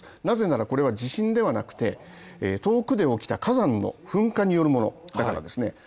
なぜならこれは地震ではなくて遠くで起きた火山の噴火によるものだからです。